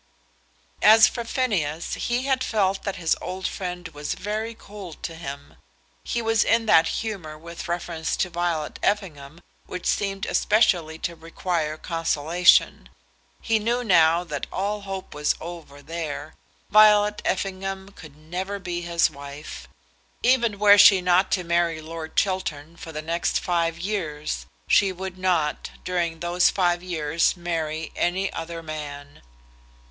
As for Phineas, he had felt that his old friend was very cold to him. He was in that humour with reference to Violet Effingham which seemed especially to require consolation. He knew now that all hope was over there. Violet Effingham could never be his wife. Even were she not to marry Lord Chiltern for the next five years, she would not, during those five years, marry any other man.